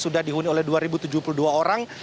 dihuni oleh dua ribu tujuh puluh dua orang